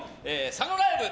サノライブ。